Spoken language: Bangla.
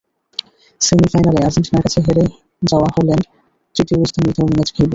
সেমিফাইনালে আর্জেন্টিনার কাছে হেরে যাওয়া হল্যান্ড তৃতীয় স্থান নির্ধারণী ম্যাচ খেলবে।